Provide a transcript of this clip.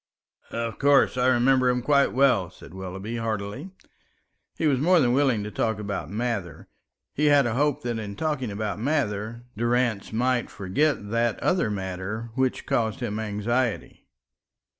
"Of course, I remember him quite well," said Willoughby, heartily. He was more than willing to talk about Mather; he had a hope that in talking about Mather, Durrance might forget that other matter which caused him anxiety.